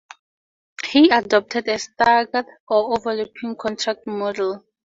He adopted a "staggered" or "overlapping" contract model.